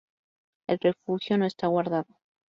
El refugio no está guardado.